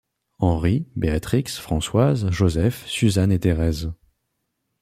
Henry, béatrix, Françoise, Josèphe, Suzanne et Thérèse.